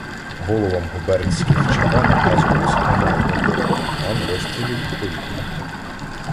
Головам губернських ЧК наказувалося негайно виробити плани розстрілів у повітах.